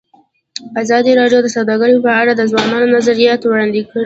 ازادي راډیو د سوداګري په اړه د ځوانانو نظریات وړاندې کړي.